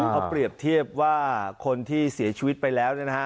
เอาเปรียบเทียบฮะว่าคนที่เสียชีวิตไปแล้วเนี่ยฮะ